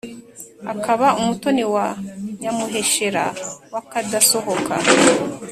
akaba umutoni wa nyamuheshera w' akadasohoka.